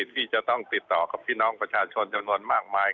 ที่จะต้องติดต่อกับพี่น้องประชาชนจำนวนมากมาย